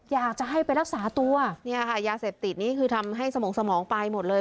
อยากจะให้ไปรักษาตัวเนี่ยค่ะยาเสพติดนี่คือทำให้สมองสมองไปหมดเลย